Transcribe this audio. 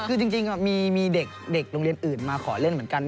คือจริงมีเด็กโรงเรียนอื่นมาขอเล่นเหมือนกัน